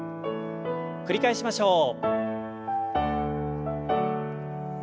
繰り返しましょう。